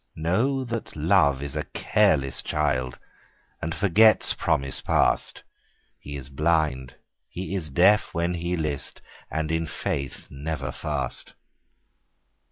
Know that Love is a careless child, And forgets promise past ; He is blind, he is deaf when he list, And in faith never fast.